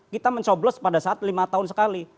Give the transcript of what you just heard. kita mencoblos pada saat lima tahun sekali